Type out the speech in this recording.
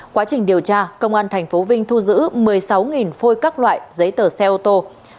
quá trình điều tra công an tp vinh thu giữ một mươi sáu phôi các loại giấy tờ xe ô tô